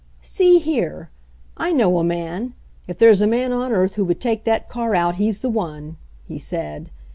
"See here! I know a man — if there's a man on earth who would take that car out he's the one !" he said.